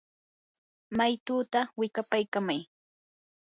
maytutaa wikapaykamay.